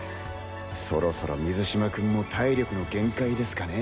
そろそろ水嶋君も体力の限界ですかね。